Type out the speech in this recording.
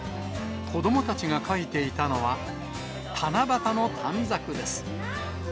子どもたちが書いていたのは、七夕の短冊です。